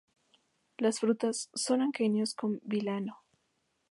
Las frutas son aquenios con vilano.